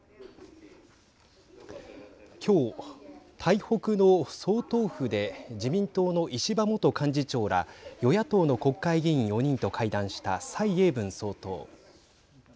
きょう、台北の総統府で自民党の石破元幹事長ら与野党の国会議員４人と会談した蔡英文総統。